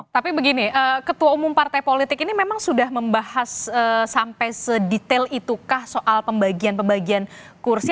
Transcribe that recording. tapi begini ketua umum partai politik ini memang sudah membahas sampai sedetail itukah soal pembagian pembagian kursi